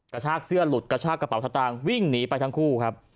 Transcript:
กระชากเสื้อหลุดกระชากระเป๋าสตางค์วิ่งหนีไปทั้งคู่ครับ